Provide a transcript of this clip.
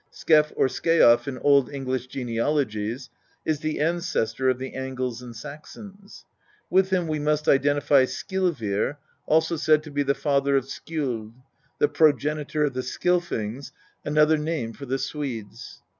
Skef or Sceaf in Old English genealogies is the ancestor of the Angles and Saxons. With him we must identify Skilvir, also said to be the father of Skjold, the progenitor of the Skilfings, another name for the Swedes.